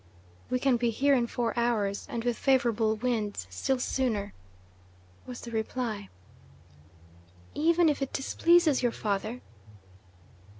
"We can be here in four hours, and with favourable winds still sooner," was the reply. "Even if it displeases your father?"